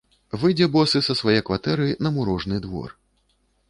Выйдзе босы са свае кватэры на мурожны двор.